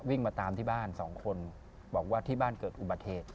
วิ่งมาตามที่บ้านสองคนบอกว่าที่บ้านเกิดอุบัติเหตุ